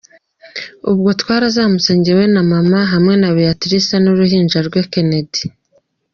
Ubwo twarazamutse jyewe na Maman, hamwe na Beatrice n’uruhinja rwe Kennedy.